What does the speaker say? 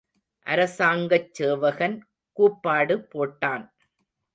அரசாங்கச் சேவகன் கூப்பாடு போட்டான்.